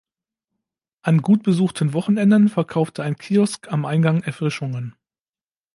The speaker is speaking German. An gut besuchten Wochenenden verkaufte ein Kiosk am Eingang Erfrischungen.